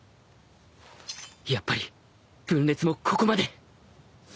やっぱり分裂もここまで